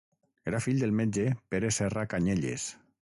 Era fill del metge Pere Serra Canyelles.